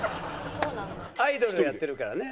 アイドルやってるからね。